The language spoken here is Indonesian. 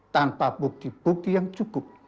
tanpa bukti bukti yang cukup